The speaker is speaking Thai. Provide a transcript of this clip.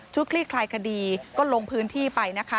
คลี่คลายคดีก็ลงพื้นที่ไปนะคะ